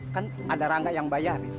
kan ada rangga yang bayar